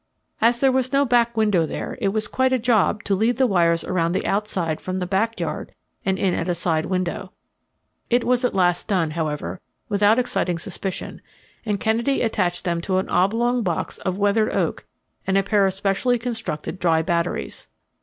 As there was no back window there, it was quite a job to lead the wires around the outside from the back yard and in at a side window. It was at last done, however, without exciting suspicion, and Kennedy attached them to an oblong box of weathered oak and a pair of specially constructed dry batteries.